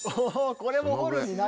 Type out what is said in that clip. これもホルンになる。